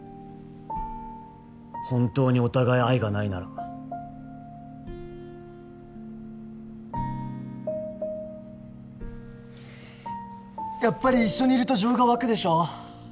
本当にお互い愛がないならやっぱり一緒にいると情が湧くでしょ